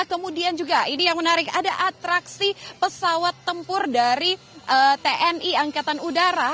kemudian juga ini yang menarik ada atraksi pesawat tempur dari tni angkatan udara